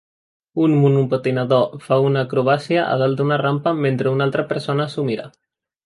Un monopatinador fa una acrobàcia a dalt d'una rampa mentre una altra persona s'ho mira.